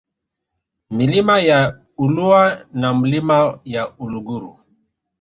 Milima ya Ulua na Milima ya Uluguru